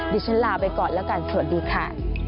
ดิฉันลาไปก่อนแล้วกันสวัสดีค่ะ